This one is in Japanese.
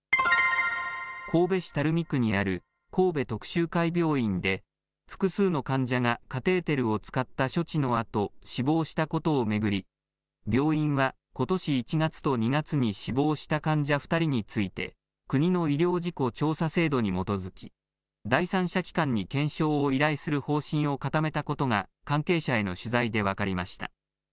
神戸市垂水区にある神戸徳洲会病院で、複数の患者がカテーテルを使った処置のあと、死亡したことを巡り、病院はことし１月と２月に死亡した患者２人について、国の医療事故調査制度に基づき、第三者機関に検証を依頼する方針を固めたことが関係者への取材で分かりました。